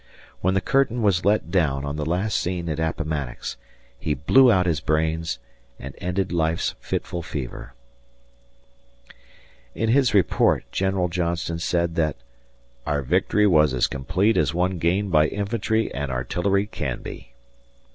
When the curtain was let down on the last scene at Appomattox, he blew out his brains and ended life's fitful fever. In his report General Johnston said that "our victory was as complete as one gained by infantry and artillery can be."